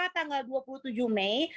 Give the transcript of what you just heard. tanggal dua puluh tujuh mei